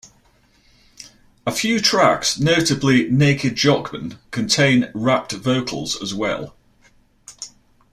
A few tracks, notably "Naked Jock Man", contain rapped vocals as well.